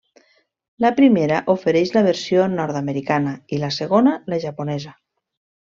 La primera ofereix la versió nord-americana i la segona la japonesa.